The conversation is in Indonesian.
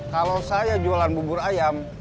kalau saya jualan bubur ayam